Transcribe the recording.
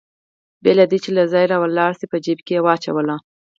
بې له دې چې له ځایه راولاړ شي په جېب کې يې واچولې.